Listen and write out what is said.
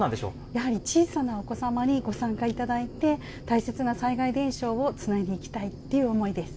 やはり小さなお子様にご参加いただいて、大切な災害伝承をつないでいきたいという思いです。